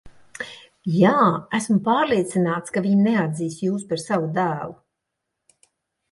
Jā, esmu pārliecināts, ka viņi neatzīs jūs par savu dēlu.